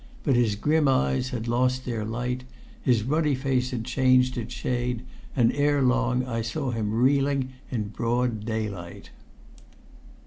But his grim eyes had lost their light, his ruddy face had changed its shade, and erelong I saw him reeling in broad daylight.